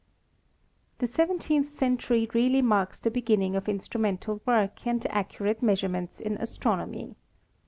The seventeenth century really marks the beginning of instrumental work and accurate measurements in as tronomy.